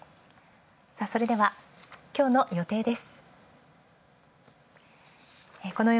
それでは今日の予定です。